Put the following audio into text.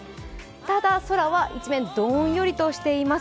ただ、空は一面どんよりとしています。